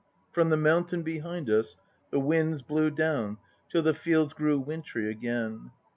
2 From the mountain behind us the winds blew down Till the fields grew wintry again.